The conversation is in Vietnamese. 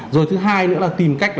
rồi thứ hai nữa là tìm cách